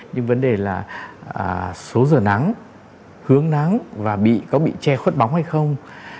nhưng vấn đề là số giờ nắng hướng nắng và bị có bị che khuất bóng hay không